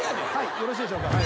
よろしいでしょうか。